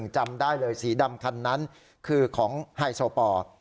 จำได้เลยสีดำคันนั้นคือของไฮโซปอร์